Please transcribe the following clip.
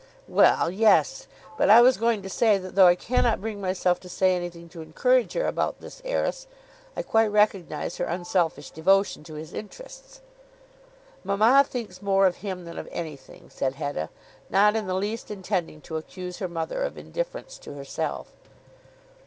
"Well; yes. But I was going to say that though I cannot bring myself to say anything to encourage her about this heiress, I quite recognise her unselfish devotion to his interests." "Mamma thinks more of him than of anything," said Hetta, not in the least intending to accuse her mother of indifference to herself.